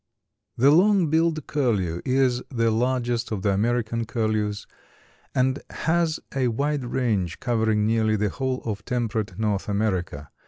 The Long billed Curlew is the largest of the American curlews and has a wide range covering nearly the whole of temperate North America.